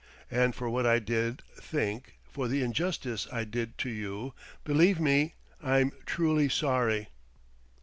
And for what I did think, for the injustice I did do you, believe me, I'm truly sorry."